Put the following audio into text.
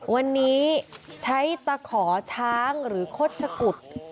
วันนี้ใช้ตะขอช้างหรือคดชะกุด